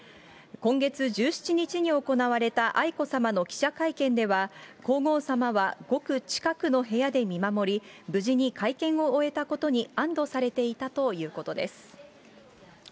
今月１７日に行われた愛子さまの記者会見では、皇后さまはごく近くの部屋で見守り、無事に会見を終えたことに安どされていたということです。